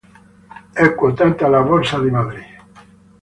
È quotata alla Borsa di Madrid.